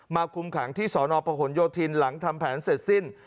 คุมขังที่สนประหลโยธินหลังทำแผนเสร็จสิ้น